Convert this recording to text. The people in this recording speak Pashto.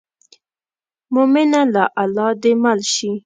مومنه له الله دې مل شي.